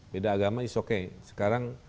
beda agama is okay sekarang